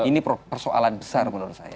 ini persoalan besar menurut saya